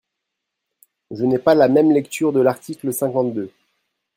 Je n’ai pas la même lecture de l’article cinquante-deux.